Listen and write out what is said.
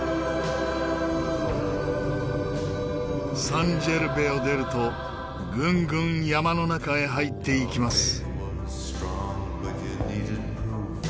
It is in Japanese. サン・ジェルヴェを出るとぐんぐん山の中へ入っていきます。